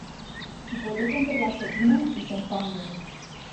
Xipollegen per la xopina i s'enfanguen.